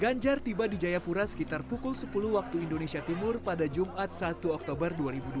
ganjar tiba di jayapura sekitar pukul sepuluh waktu indonesia timur pada jumat satu oktober dua ribu dua puluh